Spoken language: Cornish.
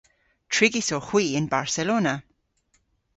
Trigys owgh hwi yn Barcelona.